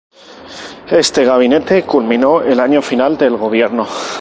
Este gabinete culminó el año final del gobierno.